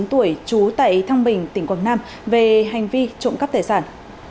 một mươi chín tuổi trú tại thăng bình tỉnh quảng nam về hành vi trộm cắp tài sản